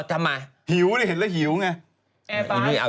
น้ำโค้กไม่ท้าน้ำโค้กไม่ท้า